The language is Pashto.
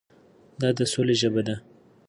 دا د سولې ژبه ده.